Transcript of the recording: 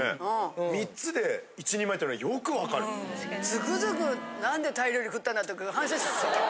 つくづく「なんでタイ料理食ったんだ！？」って反省したか？